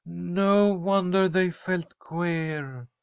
"No wonder they felt queer.